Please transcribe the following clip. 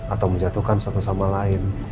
atau menjatuhkan satu sama lain